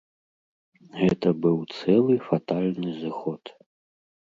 Гэта быў цэлы фатальны зыход.